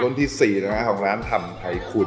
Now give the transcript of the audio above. ที่๔นะฮะของร้านทำไทคุณ